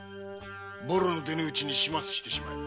ボロの出ぬうちに始末してしまえ。